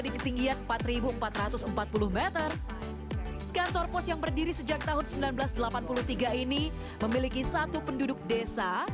kantor pos yang berdiri sejak tahun seribu sembilan ratus delapan puluh tiga ini memiliki satu penduduk desa